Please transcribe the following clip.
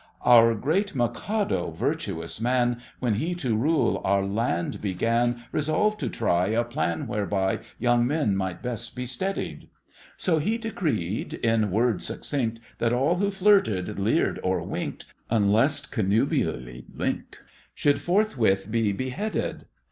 Our great Mikado, virtuous man, When he to rule our land began, Resolved to try A plan whereby Young men might best be steadied. So he decreed, in words succinct, That all who flirted, leered or winked (Unless connubially linked), Should forthwith be beheaded.